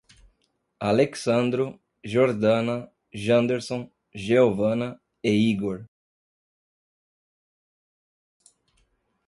Alexsandro, Jordana, Janderson, Jeovana e Higor